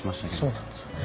そうなんですよね。